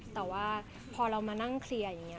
แต่ว่าพอเรามานั่งเคลียร์อย่างนี้